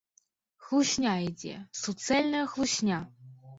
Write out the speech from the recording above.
Хлусня ідзе, суцэльная хлусня!